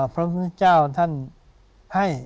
พระพุทธเจ้าท่านให้